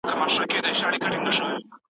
په غريبۍ به دې پرې نږدم